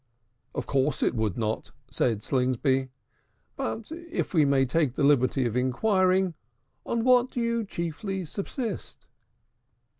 "Of course it could not," said Slingsby. "But, if we may take the liberty of inquiring, on what do you chiefly subsist?"